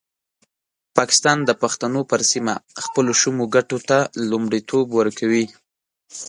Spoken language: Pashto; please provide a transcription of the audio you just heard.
پاکستان د پښتنو پر سیمه خپلو شومو ګټو ته لومړیتوب ورکوي.